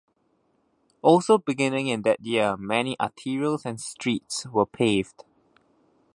Also beginning in that year, many arterials and streets were paved.